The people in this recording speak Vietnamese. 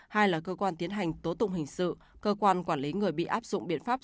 hai là cơ quan tiến hành tố tụng hình sự cơ quan quản lý người bị áp dụng biện pháp